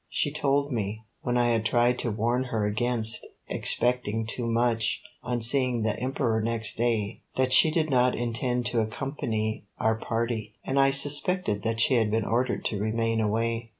She told me, when I had tried to warn her against expecting too much on seeing the Emperor next day, that she did not intend to accompany our party, and I suspected that she had been ordered to remain away.